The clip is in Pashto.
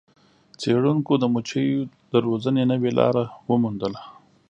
څیړونکو د مچیو د روزنې نوې لاره وموندله.